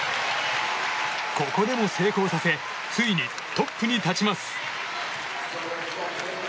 ここでも成功させついにトップに立ちます。